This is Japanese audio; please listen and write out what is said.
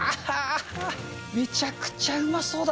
めちゃくちゃうまそうだ。